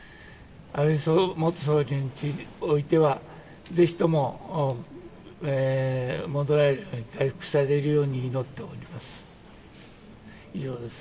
安倍元総理においては、ぜひとも戻られるように、回復されるように祈っております。